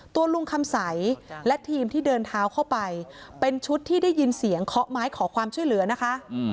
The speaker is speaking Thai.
ตัวลุงคำใสและทีมที่เดินเท้าเข้าไปเป็นชุดที่ได้ยินเสียงเคาะไม้ขอความช่วยเหลือนะคะ